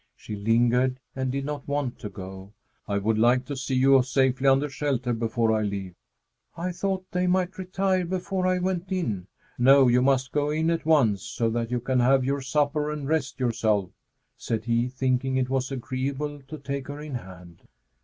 She lingered and did not want to go. "I would like to see you safely under shelter before I leave." "I thought they might retire before I went in." "No, you must go in at once, so that you can have your supper and rest yourself," said he, thinking it was agreeable to take her in hand.